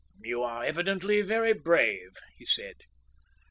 "You are evidently very brave," he said.